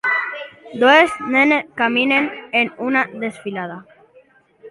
Dues nenes caminen en una desfilada.